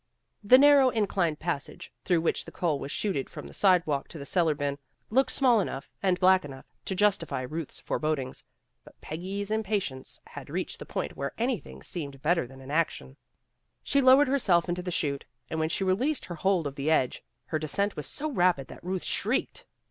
The narrow, inclined passage through which the coal was chuted from the side walk to the crellar bin, looked small enough and black enough PEGGY GIVES A DINNER 193 to justify Ruth's forebodings. But Peggy's im patience had reached the point where anything seemed better than inaction. She lowered her self into the chute, and when she released her hold of the edge, her descent was so rapid that Ruth shrieked.